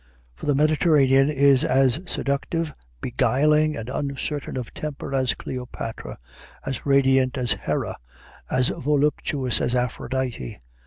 For the Mediterranean is as seductive, beguiling, and uncertain of temper as Cleopatra, as radiant as Hera, as voluptuous as Aphrodite.